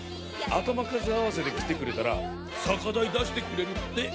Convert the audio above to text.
頭数合わせで来てくれたら酒代出してくれるって。